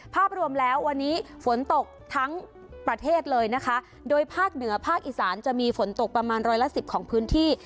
ภาพรวมแล้ววันนี้ฝนตกทั้งประเทศเลยนะคะโดยภาคเหนือภาคอีสานจะมีฝนตกประมาณร้อยละสิบของพื้นที่